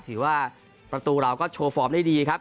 ถือว่าประตูเราก็โชว์ฟอร์มได้ดีครับ